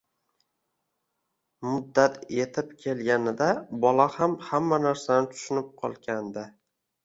Muddat etib kelganida bola ham hamma narsani tushunib qolgandi